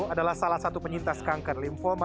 adalah salah satu penyintas kanker lymphoma